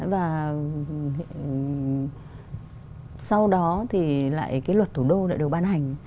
và sau đó thì lại cái luật thủ đô lại được ban hành